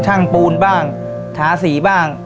ปูนบ้างทาสีบ้าง